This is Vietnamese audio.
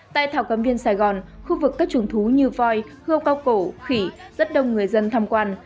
tại thảo cầm viên sài gòn khu vực các trùng thú như voi hươ cao cổ khỉ rất đông người dân tham quan